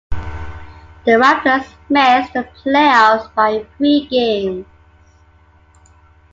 The Raptors missed the playoffs by three games.